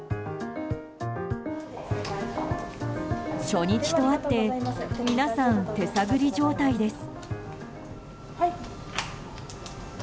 初日とあって皆さん手探り状態です。